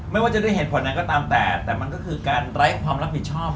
ไม่ว่าจะด้วยเหตุผลนั้นก็ตามแต่แต่มันก็คือการไร้ความรับผิดชอบ